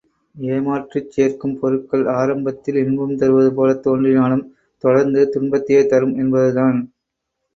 ஏமாற்றி சேர்க்கும் பொருட்கள் ஆரம்பத்தில் இன்பம் தருவது போலத் தோன்றினாலும், தொடர்ந்து துன்பத்தையே தரும் என்பது தான்.